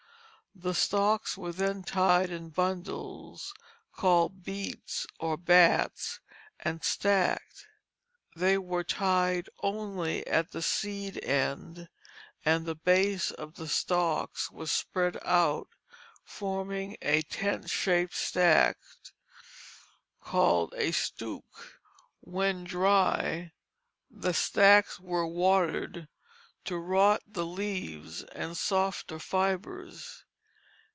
The stalks were then tied in bundles called beats or bates and stacked. They were tied only at the seed end, and the base of the stalks was spread out forming a tent shaped stack, called a stook. When dry, the stalks were watered to rot the leaves and softer fibres.